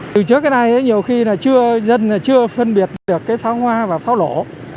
từ trước cái này nhiều khi là dân chưa phân biệt được cái pháo hoa và pháo lổ